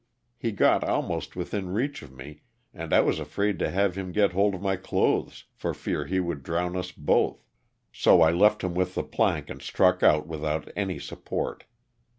He got almost within reach of me and I was afraid to have him get hold of my clothes for fear he would drown us both, so I left him with the plank and struck out without any support.